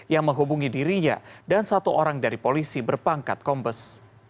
yang menghubungi dirinya dan satu orang dari polisi berpangkat kombes